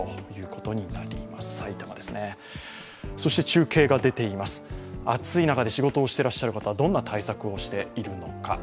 中継が出ています、暑い中で仕事をしていらっしゃる方はどんな対策をしているのか。